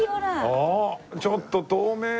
あっちょっと透明で！